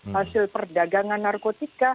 hasil perdagangan narkotik